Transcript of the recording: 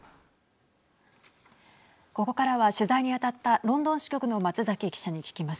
ここからは取材に当たったロンドン支局の松崎記者に聞きます。